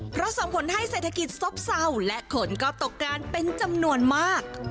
เพราะส่งผลให้เศรษฐกิจซบเศร้าและคนก็ตกงานเป็นจำนวนมาก